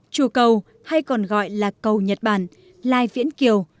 chùa cầu hay còn gọi là cầu nhật bản lai viễn kiều